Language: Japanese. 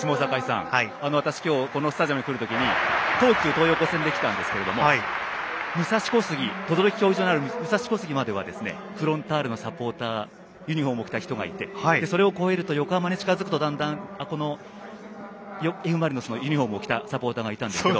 私がこのスタジアムに来たとき東急東横線で来たんですけど武蔵小杉、等々力競技場のある武蔵小杉まではフロンターレのユニフォームを着た方がいてそれを越えると横浜に近づくとＦ・マリノスのユニフォームを着たサポーターがいたんですよ。